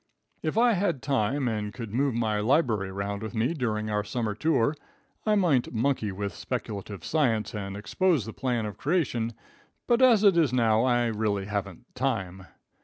"If I had time and could move my library around with me during our summer tour, I might monkey with speculative science and expose the plan of creation, but as it is now, I really haven't time.